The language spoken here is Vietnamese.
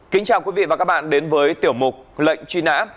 kính chào quý vị và các bạn đến với tiểu mục lệnh truy nã